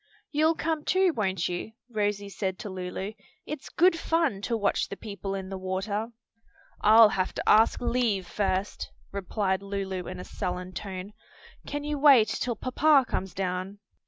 "You'll come too, won't you?" Rosie said to Lulu; "it's good fun to watch the people in the water." "I'll have to ask leave first," replied Lulu in a sullen tone. "Can you wait till papa comes down?"